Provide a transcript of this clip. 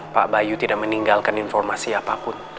pak bayu tidak meninggalkan informasi apapun